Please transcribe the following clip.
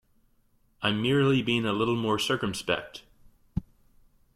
I'm merely being a little more circumspect.